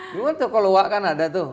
cuma toko luar kan ada tuh